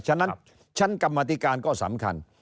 ฉะนั้นชั้นกรรมธิการก็สำคัญ